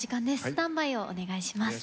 スタンバイをお願いします。